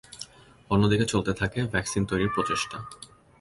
অন্য দিকে চলতে থাকে ভ্যাকসিন তৈরির প্রচেষ্টা।